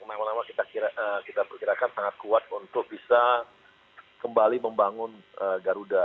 nama nama kita perkirakan sangat kuat untuk bisa kembali membangun garuda